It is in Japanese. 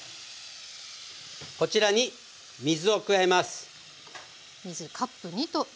こちらに水を加えます。